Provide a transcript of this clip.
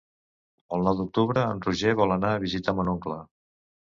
El nou d'octubre en Roger vol anar a visitar mon oncle.